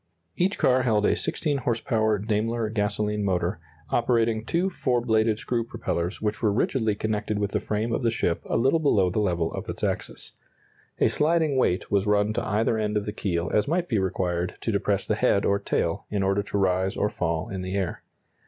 Each car held a 16 horse power Daimler gasoline motor, operating two four bladed screw propellers which were rigidly connected with the frame of the ship a little below the level of its axis. A sliding weight was run to either end of the keel as might be required to depress the head or tail, in order to rise or fall in the air.